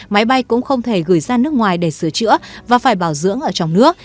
máy bay cũng không thể gửi ra nước ngoài để sửa chữa và phải bảo dưỡng ở trong nước